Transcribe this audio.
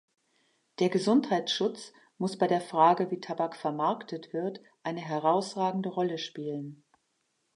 Der Gesundheitsschutz muss bei der Frage, wie Tabak vermarktet wird, eine herausragende Rolle spielen.